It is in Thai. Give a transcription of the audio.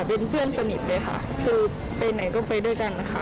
เป็นเพื่อนสนิทเลยค่ะคือไปไหนก็ไปด้วยกันนะคะ